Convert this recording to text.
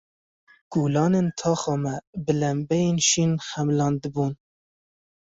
Kolanên taxa me bi lembeyên şîn xemilandibûn.